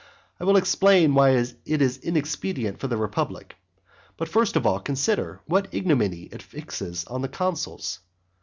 I will explain why it is inexpedient for the republic, but first of all, consider what ignominy it fixes on the consuls.